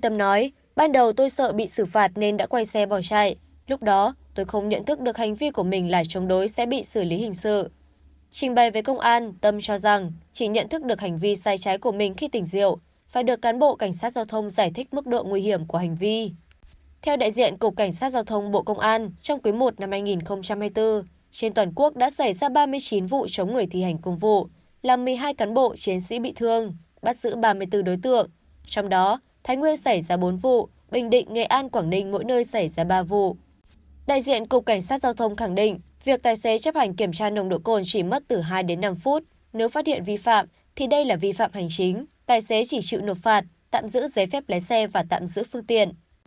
tài xế chỉ chịu nộp phạt tạm giữ giấy phép lái xe và tạm giữ phương tiện